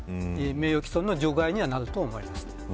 名誉毀損の除外になると思います。